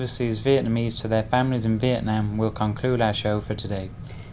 trước tiên xin kính mời quý vị khán giả cùng đến với những thông tin đối ngoại nổi bật trong tuần qua